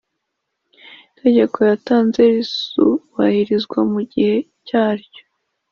itegeko yatanze rizubahirizwa mu gihe cyaryo.